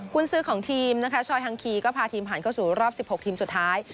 คุณซื้อของทีมนะคะชอยฮังคีก็พาทีมผ่านเข้าสู่รอบ๑๖ทีมสุดท้าย